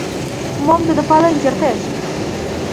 Мом тудо пален кертеш?..